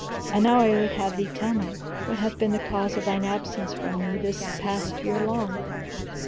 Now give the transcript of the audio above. And now I would have thee tell me what hath been the cause of thine absence from me the past year long?"